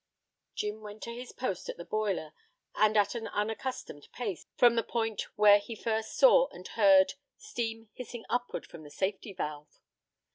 Jim went to his post at the boiler, and at an unaccustomed pace, from the point where he first saw and heard steam hissing upward from the safety valve.